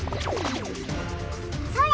それ！